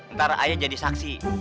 ntar ayo jadi saksi